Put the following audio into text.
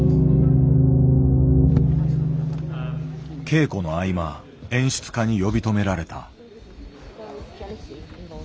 稽古の合間演出家に呼び止められた。